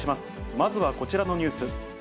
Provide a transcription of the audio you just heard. まずはこちらのニュース。